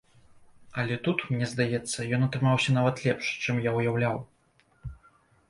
Але тут, мне здаецца, ён атрымаўся нават лепш, чым я ўяўляў.